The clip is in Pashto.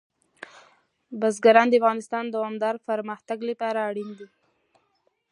بزګان د افغانستان د دوامداره پرمختګ لپاره اړین دي.